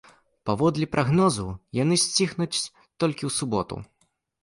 Паводле прагнозу, яны сціхнуць толькі ў суботу.